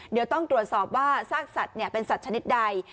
เดี๋ยวต้องตรวจสอบว่าซากสัตว์เป็นสัตว์ชนิดใด